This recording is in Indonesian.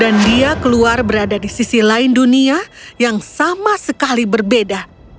dan dia keluar berada di sisi lain dunia yang sama sekali berbeda